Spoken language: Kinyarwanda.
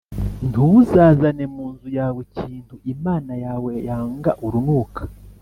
Ntuzazane mu nzu yawe ikintu Imana yawe yanga urunuka,